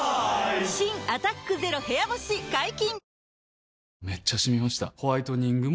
新「アタックＺＥＲＯ部屋干し」解禁‼